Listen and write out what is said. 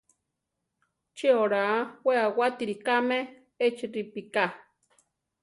¿Chi oláa we awátiri káme échi ripíká?